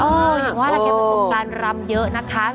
อย่างว่าหลังจากประสงค์การรำเยอะนะคะ